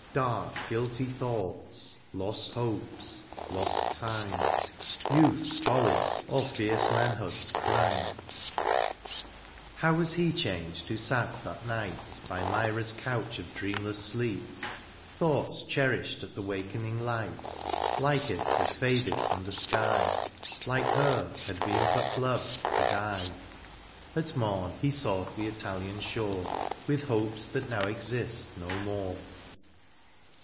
Dark guilty thoughts, lost hopes, lost time. Youth's follies, or fierce manhood's crime ! How was he changed who sat that night By Myra's couch of dreamless sleep ? THE AREOPAGITE. 85 Thoughts cherished at the wakening Ught^ Like it^ had fiaded from the sky^ Like her^ had been but loved, to die : At mom he sought the Italian shore. With hopes that now exist no more.